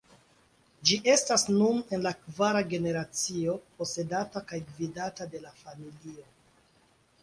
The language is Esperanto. Ĝi estas nun en la kvara generacio posedata kaj gvidata de la familio.